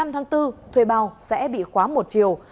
một mươi năm tháng bốn thuê bao sẽ bị khóa một triệu